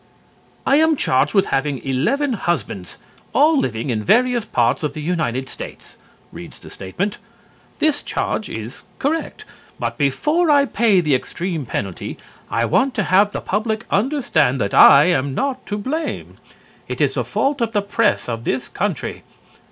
"I am charged with having eleven husbands, all living in various parts of the United States," reads the statement. "This charge is correct. But before I pay the extreme penalty, I want to have the public understand that I am not to blame. It is the fault of the press of this country.